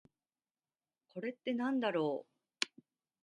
これってなんだろう？